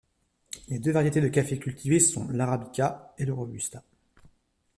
Les deux variétés de café cultivées sont l'arabica et le robusta.